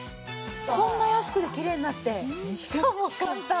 こんな安くてきれいになって超簡単！